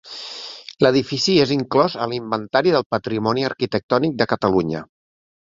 L'edifici és inclòs a l'Inventari del Patrimoni Arquitectònic de Catalunya.